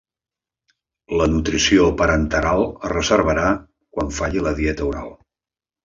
La nutrició parenteral es reservarà quan falli la dieta oral.